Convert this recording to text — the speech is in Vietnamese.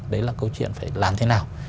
đấy là câu chuyện phải làm thế nào